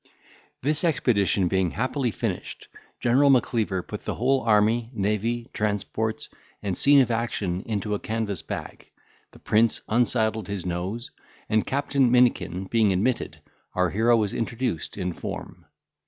This expedition being happily finished, General Macleaver put the whole army, navy, transports, and scene of action into a canvas bag, the prince unsaddled his nose, and Captain Minikin being admitted, our hero was introduced in form.